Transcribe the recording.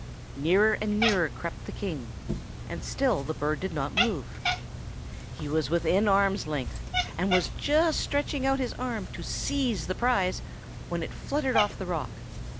Nearer and nearer crept the King, and still the bird did not move. He was within arm's length, and was just stretching out his arm to seize the prize, when it fluttered off the rock.